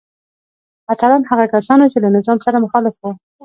اتلان هغه کسان وو چې له نظام سره مخالف وو.